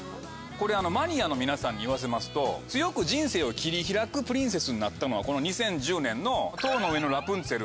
これマニアの皆さんに言わせますと強く人生を切り開くプリンセスになったのはこの２０１０年の『塔の上のラプンツェル』